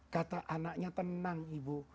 kata anaknya tenang ibu